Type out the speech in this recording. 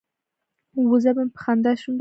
وزه مې په خندا شونډې خوځوي.